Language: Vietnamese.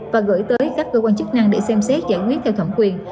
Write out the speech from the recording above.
và gửi tới các cơ quan chức năng để xem xét giải quyết theo thẩm quyền